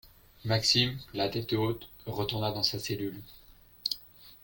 Maxime, la tête haute, retourna dans sa cellule